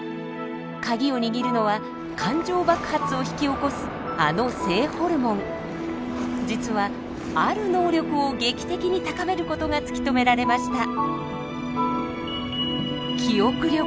鍵を握るのは感情爆発を引き起こすあの実はある能力を劇的に高める事が突き止められました。